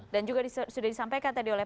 dan juga sudah disampaikan tadi oleh